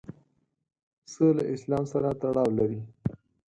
پسه له اسلام سره تړاو لري.